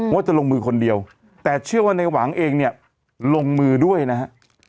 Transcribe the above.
ว่าจะลงมือคนเดียวแต่เชื่อว่าในหวังเองเนี่ยลงมือด้วยนะฮะ